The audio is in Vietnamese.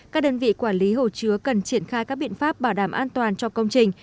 các đơn vị quản lý hồ chứa cần triển khai các biện pháp bảo đảm an toàn cho công trình